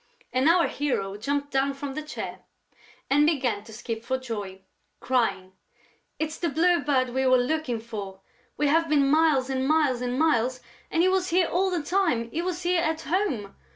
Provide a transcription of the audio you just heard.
And our hero jumped down from the chair and began to skip for joy, crying: "It's the Blue Bird we were looking for! We have been miles and miles and miles and he was here all the time!... He was here, at home!...